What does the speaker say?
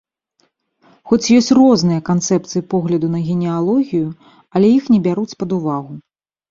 Хоць ёсць розныя канцэпцыі погляду на генеалогію, але іх не бяруць пад увагу.